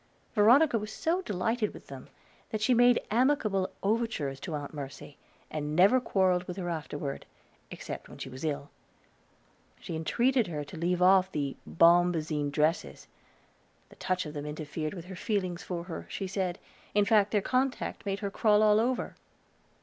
Veronica was so delighted with them that she made amicable overtures to Aunt Mercy, and never quarreled with her afterward, except when she was ill. She entreated her to leave off her bombazine dresses; the touch of them interfered with her feelings for her, she said; in fact, their contact made her crawl all over.